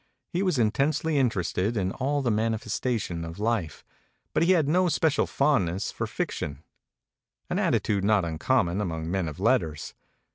He was intensely interested in all the manifes tation of life, but he had no special fondness for fiction, an attitude not uncommon among men of letters.